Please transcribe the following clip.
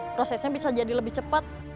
prosesnya bisa jadi lebih cepat